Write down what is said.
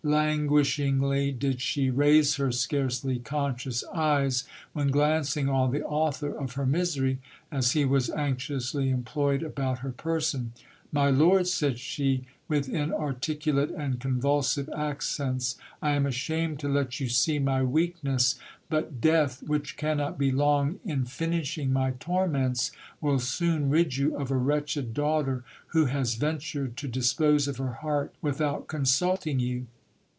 Languishingly did she raise her scarcely conscious eyes : when glancing on the author of her misery, as he was anxiously employed about her person ; My lord, said she, with inarticulate and convulsive accents, I am ashamed to let you see my weakness : but death, which cannot be long in finishing my torments, will soon rid you of a wretched daughter, who has ven tured to dispose of her heart without consulting you.